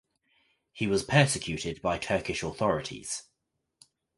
He was persecuted by Turkish authorities.